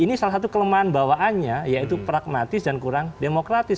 ini salah satu kelemahan bawaannya yaitu pragmatis dan kurang demokratis